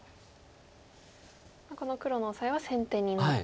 この黒のオサエは先手になって。